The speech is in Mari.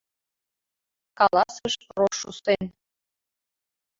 — каласыш Рошуссен.